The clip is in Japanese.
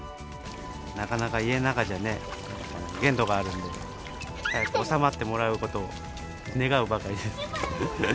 なかなか家の中じゃね、限度があるんで、早く収まってもらうことを願うばかりです。